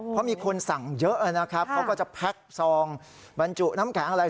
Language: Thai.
เพราะมีคนสั่งเยอะนะครับเขาก็จะแพ็คซองบรรจุน้ำแข็งอะไร